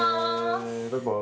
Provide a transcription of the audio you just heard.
バイバイ。